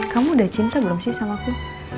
kamu udah cinta belum sih sama aku